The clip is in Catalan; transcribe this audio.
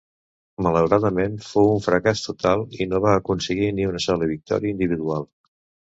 Malauradament fou un fracàs total i no va aconseguir ni una sola victòria individual.